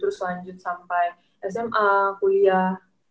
terus lanjut sampai sma kuliah